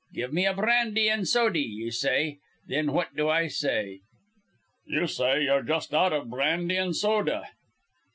'Give me a brandy an' sody,' ye say. Thin what do I say?" "You say you're just out of brandy and soda."